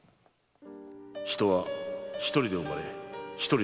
「人は一人で生まれ一人で死んでいく」